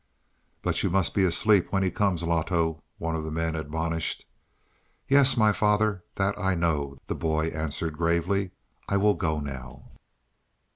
"But you must be asleep when he comes, Loto," one of the men admonished. "Yes, my father, that I know," the boy answered gravely. "I will go now."